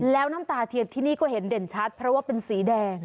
แล้วน้ำตาเทียนที่นี่ก็เห็นเด่นชัดเพราะว่าเป็นสีแดง